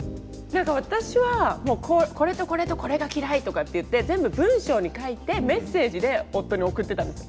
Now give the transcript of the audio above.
何か私はこれとこれとこれが嫌いとかっていって全部文章に書いてメッセージで夫に送ってたんです。